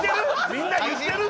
みんな言ってる？